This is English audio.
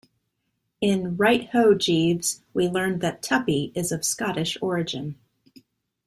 In "Right Ho, Jeeves", we learn that Tuppy is of Scottish origin.